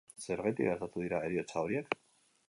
Zergatik gertatu dira heriotza horiek?